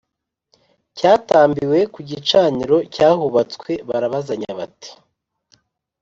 Cyatambiwe ku gicaniro cyahubatswe barabazanya bati